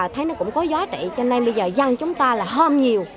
thấy nó cũng có gió trị cho nên bây giờ dân chúng ta là hôm nhiều